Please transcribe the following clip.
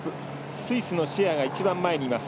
スイスのシェアが一番前にいます。